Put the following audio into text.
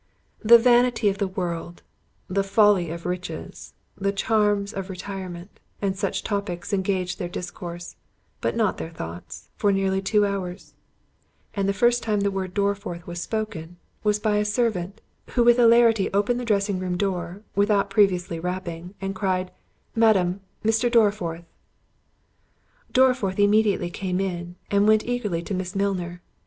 The vanity of the world, the folly of riches, the charms of retirement, and such topics engaged their discourse, but not their thoughts, for near two hours; and the first time the word Dorriforth was spoken, was by a servant, who with alacrity opened the dressing room door, without previously rapping, and cried, "Madam, Mr. Dorriforth." Dorriforth immediately came in, and went eagerly to Miss Milner.